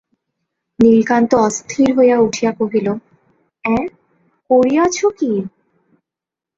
নীলকান্ত অস্থির হইয়া উঠিয়া কহিল–অ্যাঁ, করিয়াছ কী!